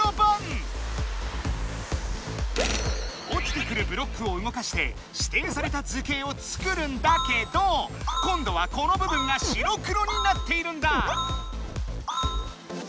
おちてくるブロックをうごかしてしていされた図形を作るんだけど今度はこの部分が白黒になっているんだ！